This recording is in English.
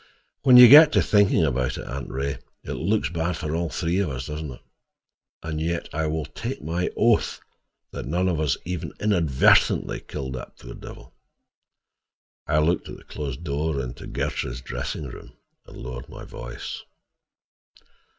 "When you get to thinking about it, Aunt Ray, it looks bad for all three of us, doesn't it? And yet—I will take my oath none of us even inadvertently killed that poor devil." I looked at the closed door into Gertrude's dressing room, and lowered my voice.